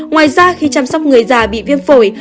ngoài ra khi chăm sóc người già bị viêm phổi